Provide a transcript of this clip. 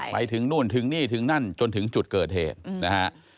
ไปถึงนู่นถึงนี่ถึงนั่นจนถึงจุดเกิดเหตุนะฮะ